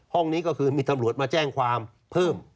นี้ก็คือมีตำรวจมาแจ้งความเพิ่ม